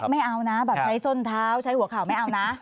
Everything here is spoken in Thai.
ไม่เอานะแบบใช้ส้นเท้าใช้หัวเข่าไม่เอานะ